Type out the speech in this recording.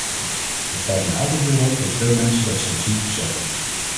Het valt mij altijd weer op dat veel mensen dat soms niet beseffen.